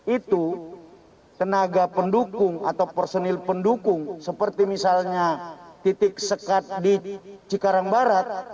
itu tenaga pendukung atau personil pendukung seperti misalnya titik sekat di cikarang barat